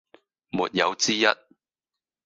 沒有之一